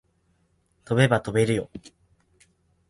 飛べば飛べるよ